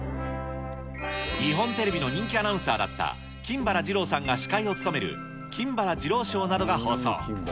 日本テレビの人気アナウンサーだった金原二郎さんが司会を務める金原二郎ショーなどが放送。